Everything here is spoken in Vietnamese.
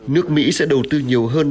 nước mỹ sẽ đầu tư nhiều hơn